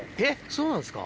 そうなんですか？